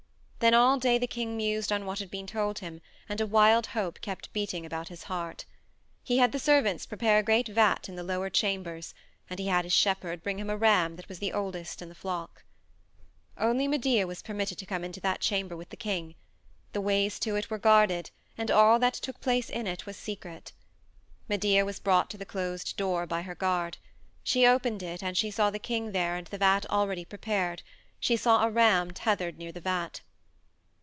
Then all day the king mused on what had been told him and a wild hope kept beating about his heart. He had the servants prepare a great vat in the lower chambers, and he had his shepherd bring him a ram that was the oldest in the flock. Only Medea was permitted to come into that chamber with the king; the ways to it were guarded, and all that took place in it was secret. Medea was brought to the closed door by her guard. She opened it and she saw the king there and the vat already prepared; she saw a ram tethered near the vat.